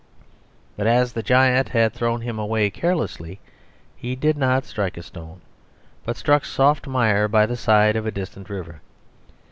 But, as the giant had thrown him away carelessly, he did not strike a stone, but struck soft mire by the side of a distant river.